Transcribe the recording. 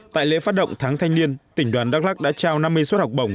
tại lễ phát động tháng thanh niên tỉnh đoàn đắk lắc đã trao năm mươi suất học bổng